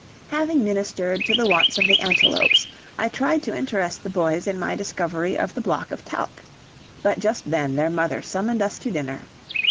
Having ministered to the wants of the antelopes, I tried to interest the boys in my discovery of the block of talc, but just then their mother summoned us to dinner.